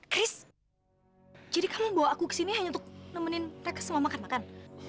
kris jadi kamu bawa aku kesini hanya untuk nemenin mereka semua makan makan